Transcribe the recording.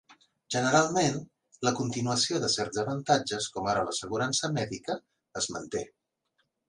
Generalment, la continuació de certs avantatges, com ara l'assegurança mèdica, es manté.